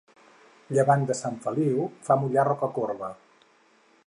Llevant de Sant Feliu, fa mullar Rocacorba.